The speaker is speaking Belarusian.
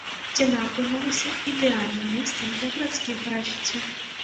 Яна апынулася ідэальным месцам для гарадскіх графіці.